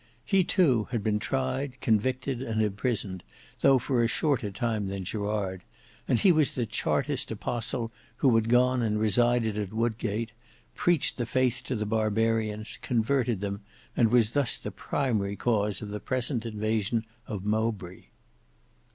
He too had been tried, convicted, and imprisoned, though for a shorter time than Gerard; and he was the Chartist Apostle who had gone and resided at Wodgate, preached the faith to the barbarians, converted them, and was thus the primary cause of the present invasion of Mowbray.